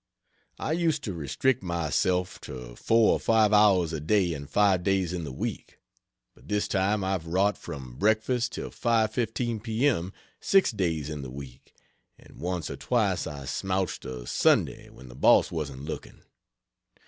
I used to restrict myself to 4 or 5 hours a day and 5 days in the week, but this time I've wrought from breakfast till 5.15 p.m. six days in the week; and once or twice I smouched a Sunday when the boss wasn't looking.